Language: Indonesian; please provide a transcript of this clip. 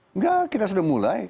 enggak kita sudah mulai